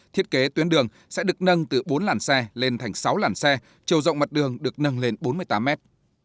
thiết kế tuyến đường sẽ được nâng từ bốn làn xe lên thành sáu làn xe chiều rộng mặt đường được nâng lên bốn mươi tám mét